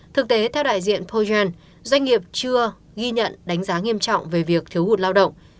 thực tế theo đại diện pogen doanh nghiệp chưa ghi nhận đánh giá nghiêm trọng về việc thiếu hụt lao động